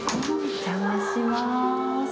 お邪魔します。